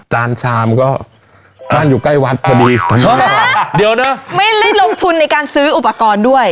จานชามก็บ้านอยู่ใกล้วัดพอดีเดี๋ยวนะไม่ได้ลงทุนในการซื้ออุปกรณ์ด้วย